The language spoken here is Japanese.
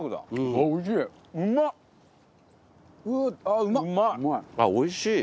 あっおいしい。